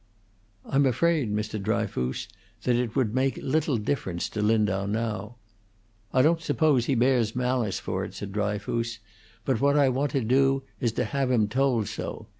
"I'm afraid, Mr. Dryfoos, that it would make little difference to Lindau now " "I don't suppose he bears malice for it," said Dryfoos, "but what I want to do is to have him told so.